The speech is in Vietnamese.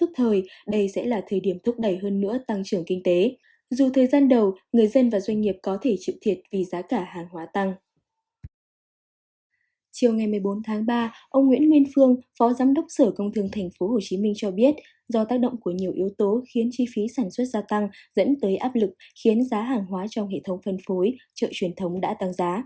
chiều ngày một mươi bốn tháng ba ông nguyễn nguyên phương phó giám đốc sở công thường tp hcm cho biết do tác động của nhiều yếu tố khiến chi phí sản xuất gia tăng dẫn tới áp lực khiến giá hàng hóa trong hệ thống phân phối chợ truyền thống đã tăng giá